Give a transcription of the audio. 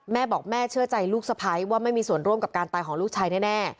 แม่บอกแม่เชื่อใจลูกสะพ้ายว่าไม่มีส่วนร่วมกับการตายของลูกชายแน่